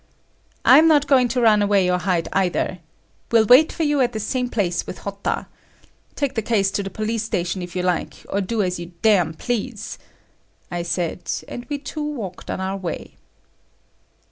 "I'm not going to run away or hide either. Will wait for you at the same place with Hotta. Take the case to the police station if you like, or do as you damn please," I said, and we two walked our own way.